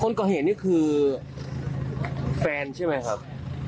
คนก่อเหตุนี่คือแฟนใช่ไหมครับ